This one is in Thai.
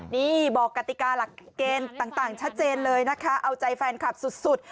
นี่บอกกติกาหลักเกณฑ์ต่างชัดเจนเลยนะคะเอาใจแฟนคลับสุด